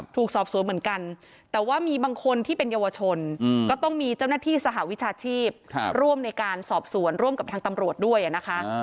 ถูกสอบสวนเหมือนกันแต่ว่ามีบางคนที่เป็นเยาวชน